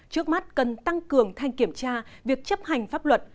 trước mắt cần tăng cường thanh kiểm tra việc chấp hành pháp luật